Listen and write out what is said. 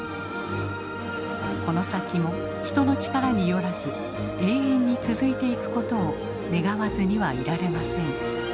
この先も人の力によらず永遠に続いていくことを願わずにはいられません。